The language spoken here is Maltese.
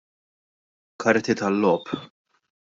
Karti tal-logħob.